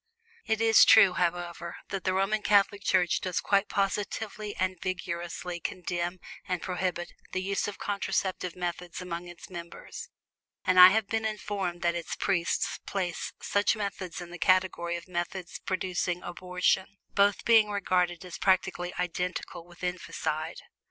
It is true, however, that the Roman Catholic Church does quite positively, and vigorously, condemn and prohibit the use of contraceptive methods among its members; and I have been informed that its priests place such methods in the category of methods producing abortion, both being regarded as practically identical with infanticide.